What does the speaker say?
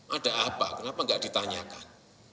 ada apa kenapa nggak ditanyakan